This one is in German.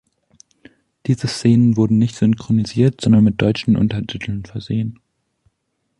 Diese Szenen wurden nicht synchronisiert, sondern mit deutschen Untertiteln versehen.